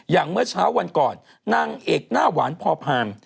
เมื่อเช้าวันก่อนนางเอกหน้าหวานพอพาน